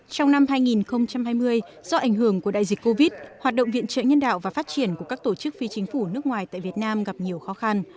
trong năm hai nghìn hai mươi do ảnh hưởng của đại dịch covid hoạt động viện trợ nhân đạo và phát triển của các tổ chức phi chính phủ nước ngoài tại việt nam gặp nhiều khó khăn